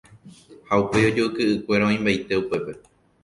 ha upéi ijoyke'ykuéra oĩmbaite upépe